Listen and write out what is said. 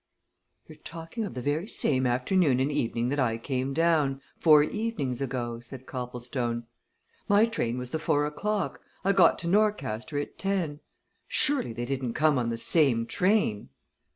"You're talking of the very same afternoon and evening that I came down four evenings ago," said Copplestone. "My train was the four o'clock I got to Norcaster at ten surely they didn't come on the same train!"